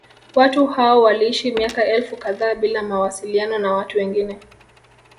Watu hao waliishi miaka elfu kadhaa bila mawasiliano na watu wengine